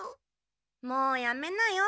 もうやめなよ。